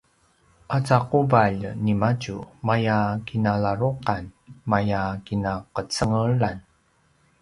aza quvalj nimadju maya kinaladruqan maya kinaqecengelan